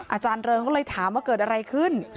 อาจารย์เริงก็เลยถามว่าเกิดอะไรขึ้น